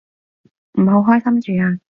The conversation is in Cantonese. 唔好開心住啊